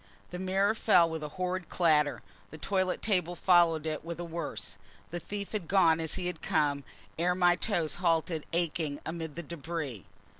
The mirror fell with a horrid clatter: the toilet table followed it with a worse: the thief had gone as he had come ere my toes halted aching amid the debris.